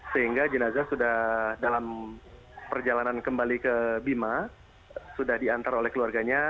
sehingga jenazah sudah dalam perjalanan kembali ke bima sudah diantar oleh keluarganya